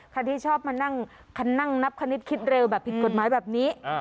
ที่ชอบมานั่งคันนั่งนับคณิตคิดเร็วแบบผิดกฎหมายแบบนี้